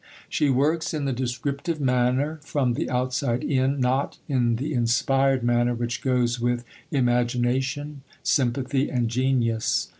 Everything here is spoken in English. She works in the descriptive manner, from the outside in not in the inspired manner which goes with imagination, sympathy, and genius.